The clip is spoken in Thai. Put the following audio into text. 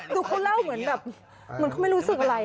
คือเขาเล่าเหมือนแบบเหมือนเขาไม่รู้สึกอะไร